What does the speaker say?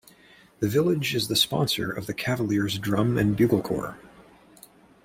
The village is the sponsor of the Cavaliers Drum and Bugle Corps.